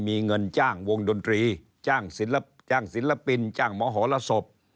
มีเงินจ้างวงดนตรีจ้างศิลปินจ้างมหรสบ